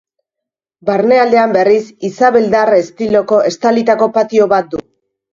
Barnealdean, berriz, isabeldar estiloko estalitako patio bat du.